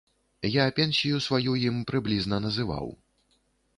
Я пенсію сваю ім прыблізна называў.